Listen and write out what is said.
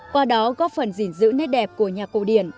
qua đó góp phần dình dữ nét đẹp của nhạc cổ điển